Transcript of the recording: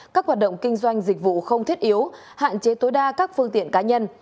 các hoạt động kinh doanh dịch vụ không thiết yếu hạn chế tối đa các phương tiện cá nhân